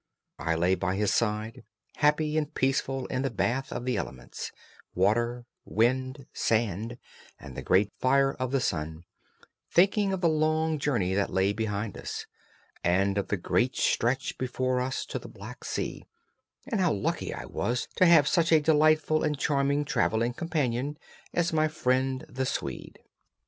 I lay by his side, happy and peaceful in the bath of the elements—water, wind, sand, and the great fire of the sun—thinking of the long journey that lay behind us, and of the great stretch before us to the Black Sea, and how lucky I was to have such a delightful and charming traveling companion as my friend, the Swede.